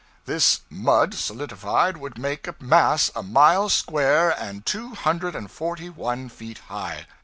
This mud, solidified, would make a mass a mile square and two hundred and forty one feet high.